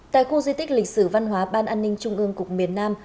tại khu di tích lịch sử văn hóa ban an ninh trung ương cục miền nam